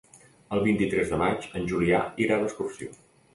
El vint-i-tres de maig en Julià irà d'excursió.